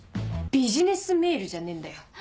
ビジネスメールじゃねえんだよ。